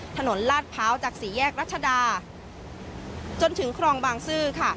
ลาดพร้าวจากสี่แยกรัชดาจนถึงครองบางซื่อค่ะ